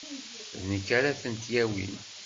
D nekk ara tent-yawin.